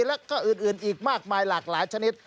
แล้วก็อื่นอีกมากมายหลากหลายชนิด